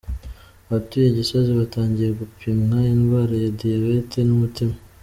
Abatuye Gisozi batangiye gupimwa indwara ya diyabete n’umutima